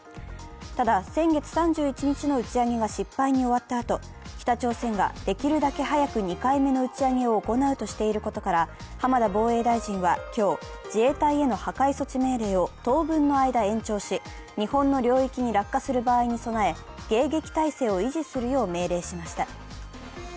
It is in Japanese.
ただ先月３１日の打ち上げが失敗に終わったあと、北朝鮮ができるだけ早く２回目の打ち上げを行うとしていることから、浜田防衛大臣は今日、自衛隊への破壊措置命令を当分の間延長し、日本の領域に落下する場合に備え、迎撃態勢を維持するよう命令しました。